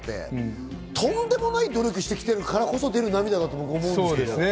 とんでもない努力をしてきたからこそ出る涙だと思うんだよね。